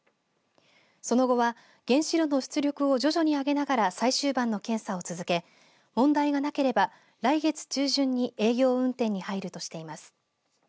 その後は、原子炉の出力を徐々に上げながら最終盤の検査を続け問題がなければ来月中旬に営業運転に入るとしています。